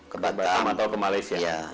ke batam atau ke malaysia